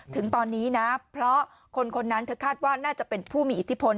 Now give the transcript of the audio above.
ถึงตอนนี้นะเพราะคนคนนั้นเธอคาดว่าน่าจะเป็นผู้มีอิทธิพล